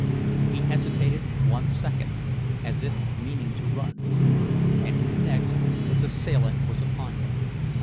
He hesitated one second, as if meaning to run; and in the next his assailant was upon him.